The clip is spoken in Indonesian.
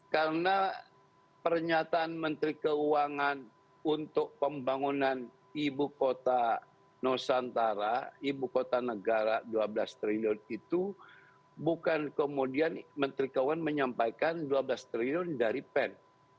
karena pernyataan menteri keuangan untuk pembangunan ikn dua belas triliun itu bukan kemudian menteri keuangan menyampaikan dua belas triliun dari pen